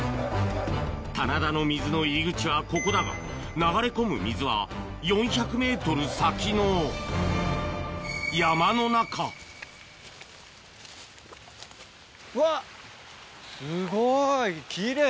棚田の水の入り口はここだが流れ込む水は４００ｍ先の山の中うわ！